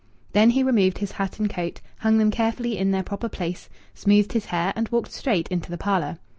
Then he removed his hat and coat, hung them carefully in their proper place, smoothed his hair, and walked straight into the parlour.